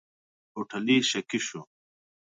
هوټلي شکي شو.